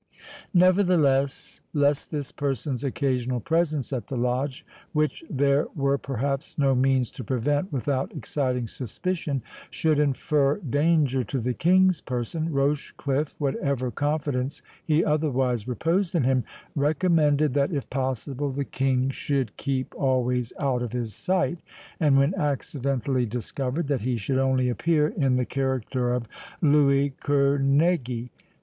Nevertheless, lest this person's occasional presence at the Lodge, which there were perhaps no means to prevent without exciting suspicion, should infer danger to the King's person, Rochecliffe, whatever confidence he otherwise reposed in him, recommended that, if possible, the King should keep always out of his sight, and when accidentally discovered, that he should only appear in the character of Louis Kerneguy.